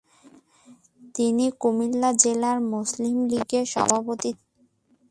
তিনি কুমিল্লা জেলা মুসলিম লীগের সভাপতি ছিলেন।